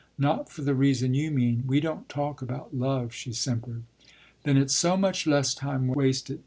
"Not for the reason you mean. We don't talk about love," she simpered. "Then it's so much less time wasted.